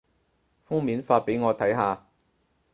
封面發畀我睇下